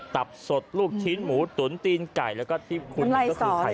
ตับสดลูกชิ้นหมูตุ๋นทีนไข่แล้วก็ทิ้บกามั้ย